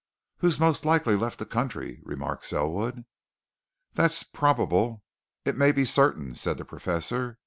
"Who's most likely left the country," remarked Selwood. "That's probable it may be certain," said the Professor.